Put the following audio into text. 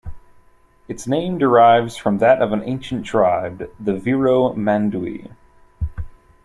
Its name derives from that of an ancient tribe, the Viromandui.